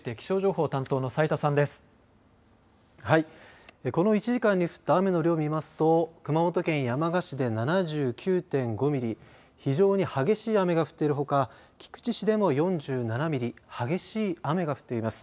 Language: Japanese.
このあとの１時間に降った雨のよりますと熊本県山鹿市で７９．５ミリ非常に激しい雨が降っているほか菊池市でも４７ミリ激しい雨が降っています。